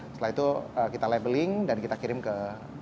setelah itu kita labeling dan kita kirim ke